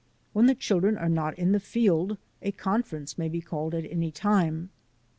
When the chil dren are not in the field a conference may be called at any time.